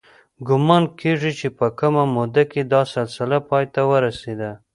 ګومان کېږي چې په کمه موده کې دا سلسله پای ته ورسېده